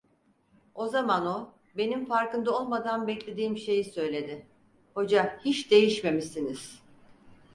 O zaman o, benim farkında olmadan beklediğim şeyi söyledi: "Hoca, hiç değişmemişsiniz!"